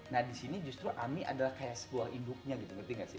nah disini justru ami adalah kayak sebuah induknya gitu ngerti gak sih